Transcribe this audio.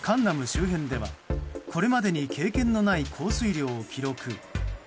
周辺ではこれまでに経験のない降水量を記録。